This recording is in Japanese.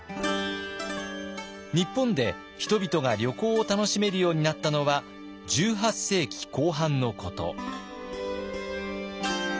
日本で人々が旅行を楽しめるようになったのは１８世紀後半のこと。